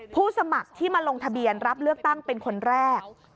ผู้สมัครที่มาลงทะเบียนรับเลือกตั้งเป็นคนแรก